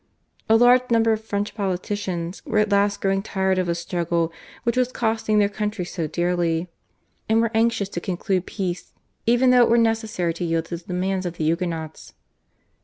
A large number of French politicians were at last growing tired of a struggle which was costing their country so dearly, and were anxious to conclude peace even though it were necessary to yield to the demands of the Huguenots.